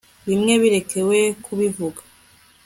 bimwe bireke we kubivuga